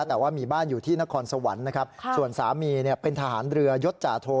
แต่ว่ามีบ้านอยู่ที่นครสวรรค์นะครับส่วนสามีเนี่ยเป็นทหารเรือยศจาโท